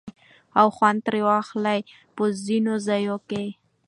او خوند ترې واخلي په ځينو ځايو کې